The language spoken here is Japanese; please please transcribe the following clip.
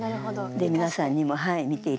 で皆さんにもはい見て頂けるように。